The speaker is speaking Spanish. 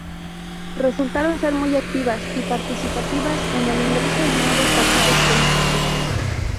Resultaron ser muy activas y participativas, con el ingreso de nuevos partidos políticos.